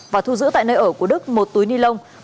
và thu giữ tại nơi ở của đức một túi ni lông